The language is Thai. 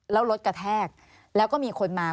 แล้วรถกระแทกแล้วก็มีคนมา